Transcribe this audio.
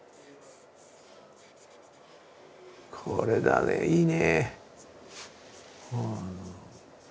これだねいいね。